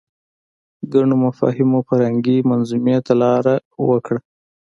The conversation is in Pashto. ګڼو مفاهیمو فرهنګي منظومې ته لاره وکړه